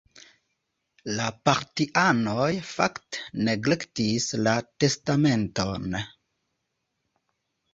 La partianoj fakte neglektis la testamenton.